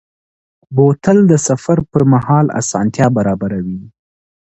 بوتل د سفر پر مهال آسانتیا برابروي.